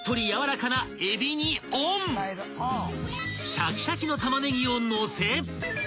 ［シャキシャキの玉ねぎを載せ］